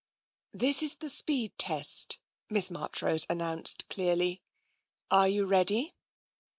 " This is the speed test," Miss Marchrose announced clearly. " Are you ready?